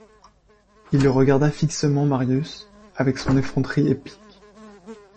Et il regarda fixement Marius avec son effronterie épique.